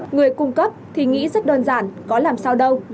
người cung cấp thì nghĩ rất đơn giản có làm sao đâu